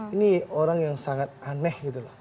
ini orang yang sangat aneh gitu loh